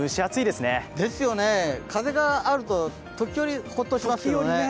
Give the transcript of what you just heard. ですよね、風があると時折ホッとしますよね。